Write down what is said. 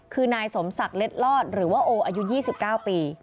คือนายสมศักดิ์เล็ดลอดหรือว่าโออายุ๒๙ปี